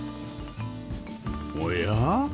おや？